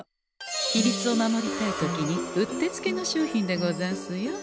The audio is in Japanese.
秘密を守りたい時にうってつけの商品でござんすよ。